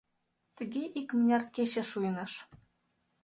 Тыге икмыняр кече шуйныш.